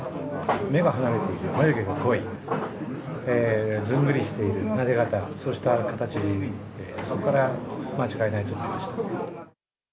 目が離れている、眉毛が濃い、ずんぐりしている、なで肩、そうした形、そこから間違いないと思いました。